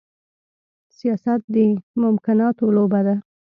سياست د ممکناتو لوبه ده.